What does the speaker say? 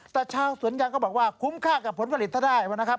แต่ชาวสวนยางก็บอกว่าคุ้มค่ากับผลผลิตถ้าได้นะครับ